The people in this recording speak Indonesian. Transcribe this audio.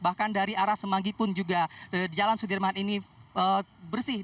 bahkan dari arah semanggi pun juga jalan sudirman ini bersih